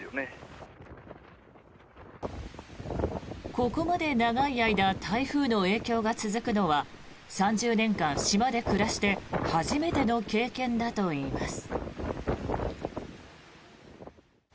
ここまで長い間台風の影響が続くのは３０年間、島で暮らして初めての経験だといいます。